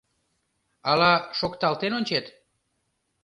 — Ала шокталтен ончет?